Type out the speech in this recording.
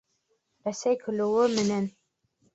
Рәсәй көлөүе менән.